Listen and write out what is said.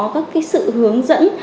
các cái sự hướng dẫn